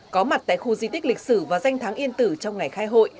có mặt tại khu di tích lịch sử và danh tháng yên tử trong ngày khai hội